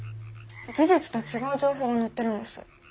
事実と違う情報が載ってるんです。